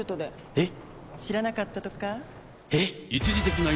えっ⁉